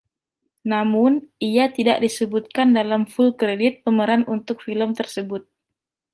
Namun, ia tidak disebutkan dalam full credit pemeran untuk film tersebut.